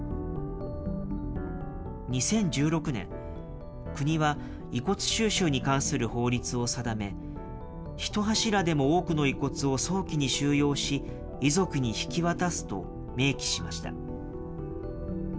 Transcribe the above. ２０１６年、国は遺骨収集に関する法律を定め、一柱でも多くの遺骨を早期に収容し、遺族に引き渡すと明記しました。